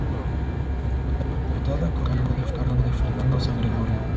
La portada corrió a cargo de Fernando San Gregorio.